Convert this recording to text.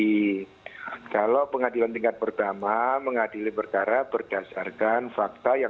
jadi kalau pengadilan tingkat pertama mengadili perkara berdasarkan fakta